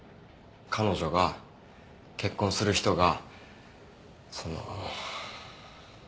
彼女が結婚する人がその。